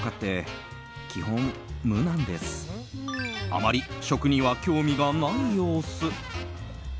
あまり食には興味がない様子。